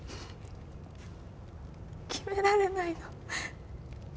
決められないの。